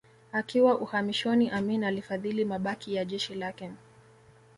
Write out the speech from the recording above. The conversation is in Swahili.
Akiwa uhamishoni Amin alifadhili mabaki ya jeshi lake